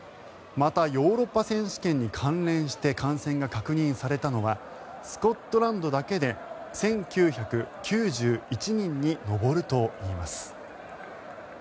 また、ヨーロッパ選手権に関連して感染が確認されたのはスコットランドだけで１９９１人に上るといいます。